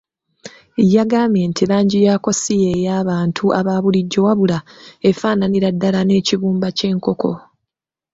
Yangamba nti langi yaako si ye y’abantu abaabulijjo wabula efaananira ddala n’ekibumba ky’enkoko.